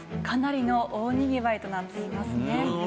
かなりの大にぎわいとなっていますね。